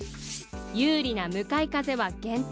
有利な向かい風は減点。